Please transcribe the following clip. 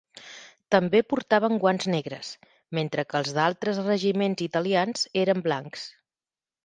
També portaven guants negres, mentre que els d'altres regiments italians eren blancs.